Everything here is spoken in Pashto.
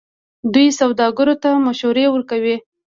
دوی سوداګرو ته مشورې ورکوي.